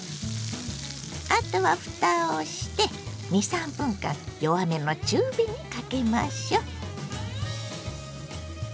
あとはふたをして２３分間弱めの中火にかけましょう。